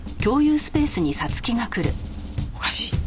おかしい。